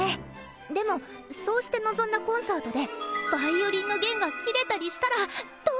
でもそうして臨んだコンサートでヴァイオリンの弦が切れたりしたらどうするんですか？